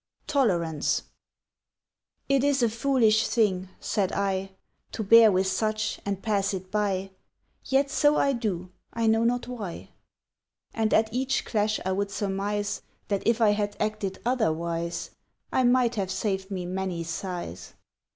TOLERANCE "IT is a foolish thing," said I, "To bear with such, and pass it by; Yet so I do, I know not why!" And at each clash I would surmise That if I had acted otherwise I might have saved me many sighs.